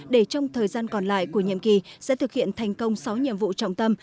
để trong thời gian còn lại của nhiệm kỳ sẽ thực hiện thành công sáu nhiệm vụ trọng tâm